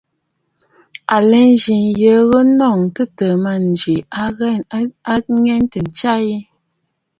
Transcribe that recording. À lɛ nzi nyə ŋû a nɔŋə̀ a tɨtɨ̀ɨ̀ mânjì, ŋ̀ghɔŋtə ntsya yi.